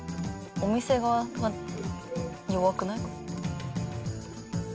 お店側弱くない？